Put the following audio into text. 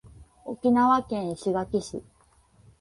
沖縄県石垣市